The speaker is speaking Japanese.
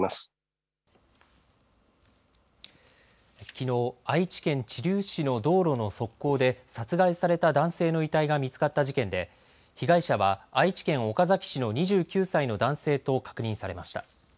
きのう愛知県知立市の道路の側溝で殺害された男性の遺体が見つかった事件で被害者は愛知県岡崎市の２９歳の男性と確認されました。